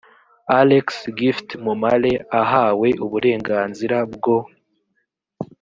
alex gift mumale ahawe uburenganzira bwo